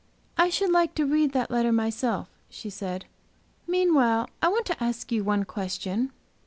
"I should like to read that letter myself," she said. "Meanwhile I want to ask you one question.